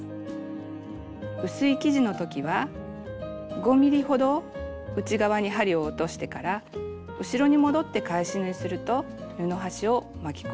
薄い生地のときは５ｍｍほど内側に針を落としてから後ろに戻って返し縫いすると布端を巻き込みにくくなります。